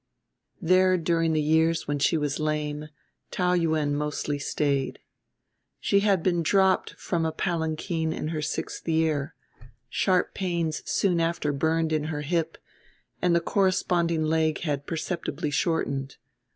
There, during the years when she was lame, Taou Yuen mostly stayed. She had been dropped from a palanquin in her sixth year; sharp pains soon after burned in her hip, and the corresponding leg had perceptibly shortened.